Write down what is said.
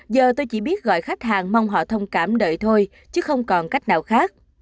giờ tôi chỉ biết gọi khách hàng mong họ thông cảm đợi thôi chứ không còn cách nào khác